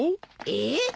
えっ？